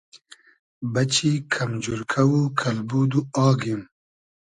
بئچی کئم جورکۂ و کئلبود و آگیم